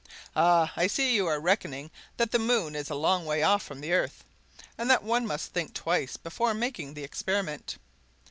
Ah! I see you are reckoning that the moon is a long way off from the earth, and that one must think twice before making the experiment.